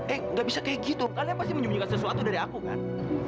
enggak bisa kayak gitu kalian pasti menyembunyikan sesuatu dari aku kan